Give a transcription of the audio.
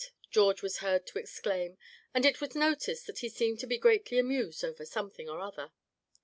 George was heard to exclaim; and it was noticed that he seemed to be greatly amused over something or other.